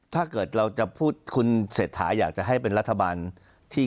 ถ้าเกิดเราจะพูดคุณเศรษฐาอยากจะให้เป็นรัฐบาลที่